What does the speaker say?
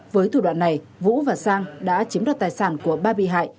với thủ đoạn này vũ và sang đã chiếm đoạt tài sản của ba bị hại